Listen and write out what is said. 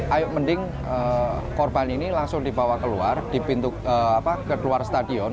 ayo mending korban ini langsung dibawa keluar ke luar stadion